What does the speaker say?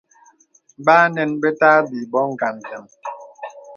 Bà ànəŋ be tà àbī bô ngambīaŋ.